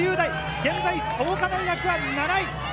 現在、創価大学は７位。